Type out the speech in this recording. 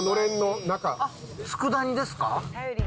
つくだ煮ですか。